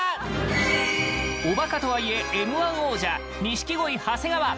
おバカとはいえＭ−１王者錦鯉・長谷川！